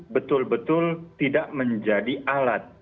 betul betul tidak menjadi alat